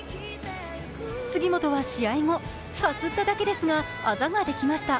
杉本は試合後、かすっただけですがアザができました。